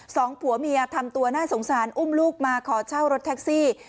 สองผัวเมียทำตัวน่าสงสารอุ้มลูกมาขอเช่ารถแท็กซี่